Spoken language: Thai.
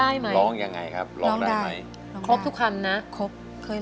ได้ไหมร้องยังไงครับร้องได้ไหมครบทุกคำนะครบเคย